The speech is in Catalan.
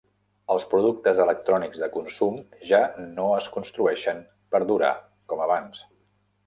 Els productes electrònics de consum ja no es construeixen per durar com abans.